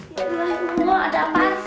ya allah ini gua ada apaan sih